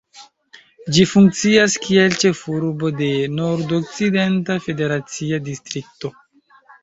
Ĝi funkcias kiel ĉefurbo de Nordokcidenta federacia distrikto.